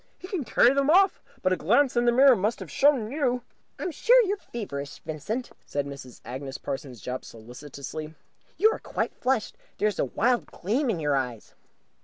He can carry them off. But a glance in the mirror must have shown you that you " "I'm sure you're feverish, Vincent," said Mrs. Agnes Parsons Jopp, solicitously. "You are quite flushed. There is a wild gleam in your eyes."